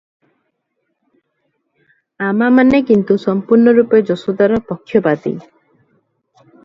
ଆମାମାନେ କିନ୍ତୁ ସମ୍ପୂର୍ଣ୍ଣରୂପେ ଯଶୋଦାର ପକ୍ଷପାତୀ ।